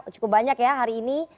cukup banyak ya hari ini